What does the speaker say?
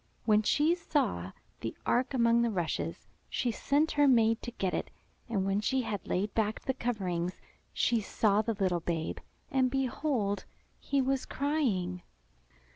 When she saw the ark among the rushes, she sent her maid to get it. And when she had laid back the coverings, she saw the little babe, and behold! he was crying.